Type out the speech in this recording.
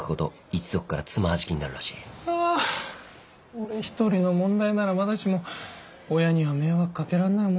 俺一人の問題ならまだしも親には迷惑掛けらんないもんな。